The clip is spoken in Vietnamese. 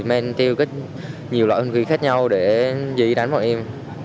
mang theo nhiều loại hung khí khác nhau để giấy đánh bọn em